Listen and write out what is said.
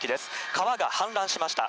川が氾濫しました。